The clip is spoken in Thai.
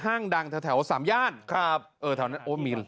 กระโปรงหญิงสาวในห้างดังแถวสามย่านครับเออแถวนั้นโอ้มี